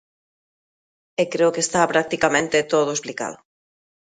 E creo que está practicamente todo explicado.